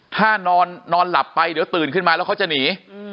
ถ้านอนหลับไปเดี๋ยวตื่นขึ้นมาแล้วเขาจะหนี